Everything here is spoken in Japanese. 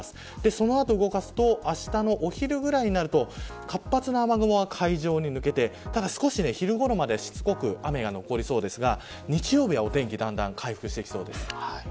その後、動かすとあしたのお昼ぐらいになると活発な雨雲は海上に抜けてただ、昼ごろまでは、しつこく雨が残りそうですが、日曜日はお天気だんだん回復してきそうです。